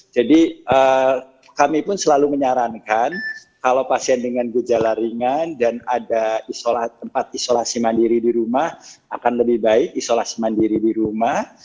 jadi kami pun selalu menyarankan kalau pasien dengan gejala ringan dan ada tempat isolasi mandiri di rumah akan lebih baik isolasi mandiri di rumah